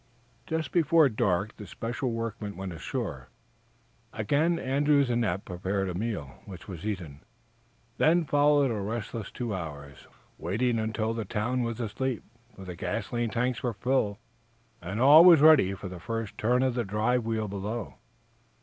Just before dark the special workmen went ashore. Again Andrews and Eph prepared a meal, which was eaten. Then followed a restless two hours, waiting until the town was asleep, for the gasoline tanks were filled, and all was ready for the first turn of the drive wheel below.